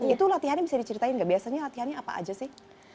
itu latihannya bisa diceritain nggak biasanya latihannya apa aja sih